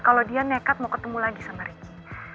kalau dia nekat mau ketemu lagi sama ricky